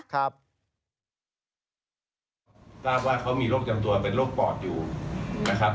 ครับ